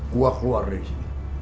gue keluar dari sini